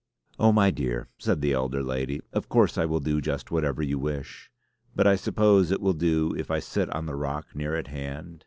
"Oh, my dear," said the elder lady, "of course I will do just whatever you wish. But I suppose it will do if I sit on the rock near at hand?